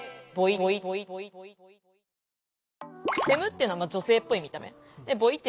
ボイっていうのは男性っぽい見た目。